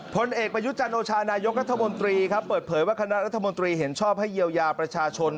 ผลเอกประยุจันโอชานายกรัฐมนตรีครับเปิดเผยว่าคณะรัฐมนตรีเห็นชอบให้เยียวยาประชาชน